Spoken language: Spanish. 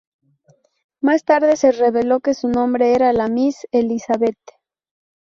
Más tarde se reveló que su nombre era la Miss Elizabeth.